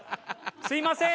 すみません。